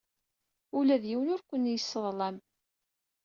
Ula d yiwen ur ken-yesseḍlam.